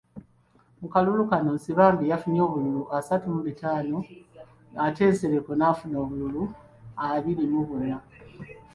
Mu kalulu kano, Nsibambi yafunye obululu asatu mu butaano ate Nsereko n’afuna obululu abiri mu buna.